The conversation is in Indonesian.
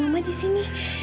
mama di sini